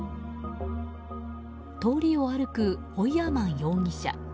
通りを歩くホイヤーマン容疑者。